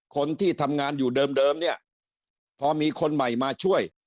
คนที่ทำงานอยู่เดิมเนี่ยพอมีคนใหม่มาช่วย